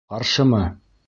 Ҡаршымы?